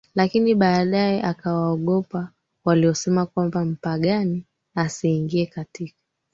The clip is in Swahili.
lakini baadaye akawaogopa waliosema kwamba Mpagani asiingie katika